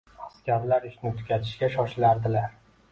Askarlar ishni tugatishga shoshilardilar